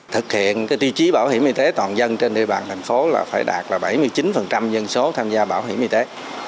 thực hiện tiêu chí bảo hiểm y tế toàn dân trên địa bàn thành phố là phải đạt là bảy mươi chín dân số tham gia bảo hiểm y tế